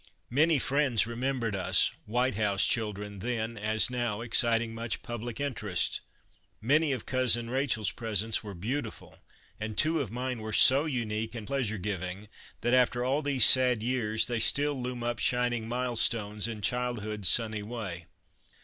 Many friends remem bered us, White House children then, as now, excit ing much public interest. Many of cousin Rachel's presents were beautiful, and two of mine were so unique and pleasure giving that after all these sad years they still loom up shining milestones in child hood's sunny way.